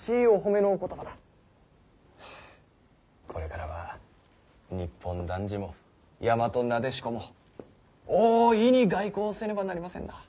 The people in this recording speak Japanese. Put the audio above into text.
これからは日本男児も大和撫子も大いに外交をせねばなりませんな。